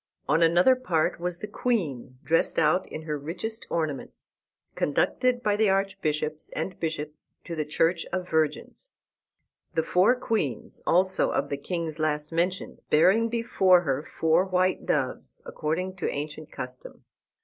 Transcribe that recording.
On another part was the queen, dressed out in her richest ornaments, conducted by the archbishops and bishops to the Church of Virgins; the four queens, also, of the kings last mentioned, bearing before her four white doves, according to ancient custom.